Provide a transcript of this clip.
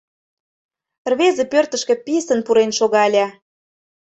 Рвезе пӧртышкӧ писын пурен шогале.